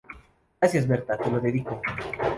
Gracias "Berta", te lo dedico.